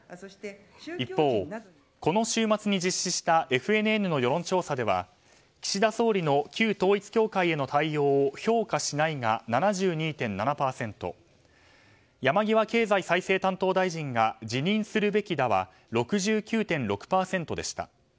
一方、この週末に実施したＦＮＮの世論調査は岸田総理の旧統一教会への対応を評価しないが７２．７％山際経済再生担当大臣が辞任するべきだは６９．６％でした。